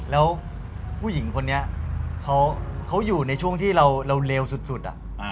แล้วผู้หญิงคนนี้เขาอยู่ในช่วงที่เราเลวสุด